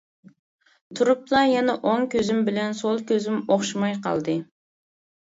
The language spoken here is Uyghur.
تۇرۇپلا يەنە ئوڭ كۆزۈم بىلەن سول كۆزۈم ئوخشىماي قالدى.